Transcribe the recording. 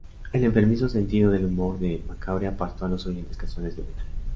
El enfermizo sentido del humor de Macabre apartó a los oyentes casuales de metal.